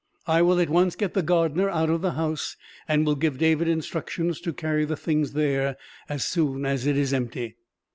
I will at once get the gardener out of the house, and will give David instructions to carry the things there, as soon as it is empty."